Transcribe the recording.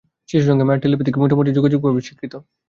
শিশুর সঙ্গে মায়ের টেলিপ্যাথিক যোগাযোগ মোটামুটিভাবে স্বীকৃত।